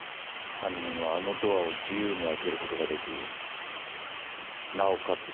犯人はあのドアを自由に開ける事が出来なおかつ